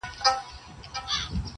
كنډواله كي نه هوسۍ نه يې درك وو٫